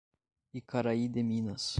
Icaraí de Minas